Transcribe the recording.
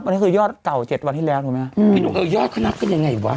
อันนี้คือยอดเก่า๗วันที่แล้วถูกไหมพี่หนุ่มเออยอดเขานับกันยังไงวะ